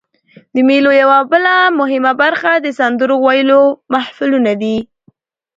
د مېلو یوه بله مهمه برخه د سندرو ویلو محفلونه دي.